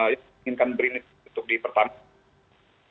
yang diinginkan brin untuk dipertanggung